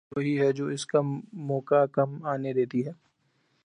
اچھی حکومت وہی ہے جو اس کا موقع کم آنے دیتی ہے۔